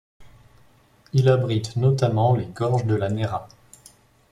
Il abrite notamment les gorges de la Nera.